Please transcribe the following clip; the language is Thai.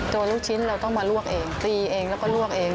ตัวลูกชิ้นเราต้องมาลวกเอง